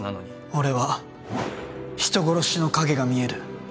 俺は人殺しの影が見える